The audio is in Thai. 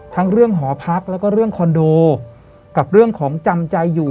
ทั้งเรื่องหอพักแล้วก็เรื่องคอนโดกับเรื่องของจำใจอยู่